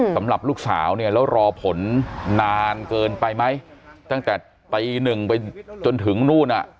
สำหรับลูกสาวเนี่ยแล้วรอผลนานเกินไปไหมตั้งแต่ตีหนึ่งไปจนถึงนู่นอ่ะ